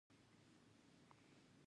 دوهمه مرحله د عدلیې وزارت ته لیږل دي.